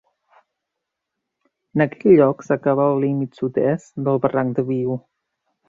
En aquest lloc s'acaba el límit sud-est del barranc de Viu.